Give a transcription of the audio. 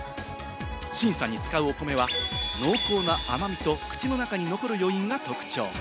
審査に使うお米は濃厚な甘みと口の中に残る余韻が特徴。